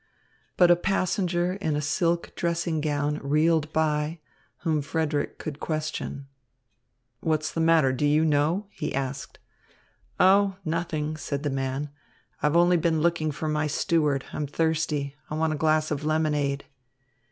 But a passenger in a silk dressing gown reeled by, whom Frederick could question. "What's the matter, do you know?" he asked. "Oh, nothing," said the man. "I've only been looking for my steward. I'm thirsty. I want a glass of lemonade."